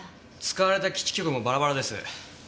使われた基地局もバラバラです。